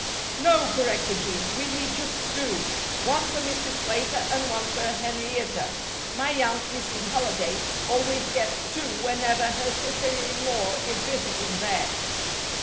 "No," corrected Jean, "we need just two. One for Mrs. Slater and one for Henrietta. My aunt, Mrs. Halliday, always gets two whenever her sister in law is visiting there."